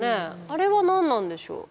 あれは何なんでしょう？